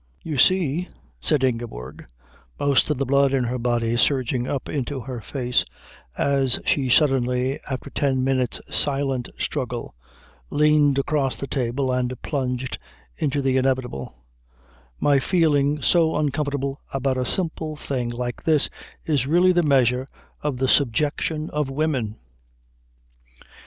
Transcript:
"You see," said Ingeborg, most of the blood in her body surging up into her face as she suddenly, after ten minutes' silent struggle, leaned across the table and plunged into the inevitable, "my feeling so uncomfortable about a simple thing like this is really the measure of the subjection of women."